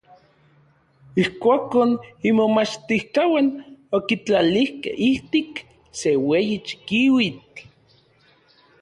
Ijkuakon imomachtijkauan okitlalijkej ijtik se ueyi chikiuitl.